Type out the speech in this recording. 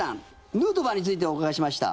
ヌートバーについてお伺いしました。